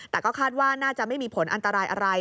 แต่ก็คาดว่าน่าจะไม่มีผลอันตรายอะไร